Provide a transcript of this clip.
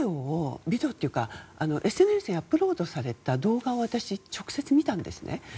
ＳＮＳにアップロードされた動画を私、直接見たんですね。